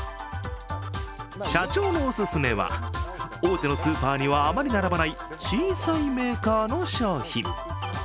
社長のおすすめは、大手のスーパーにはあまり並ばない小さいメーカーの商品。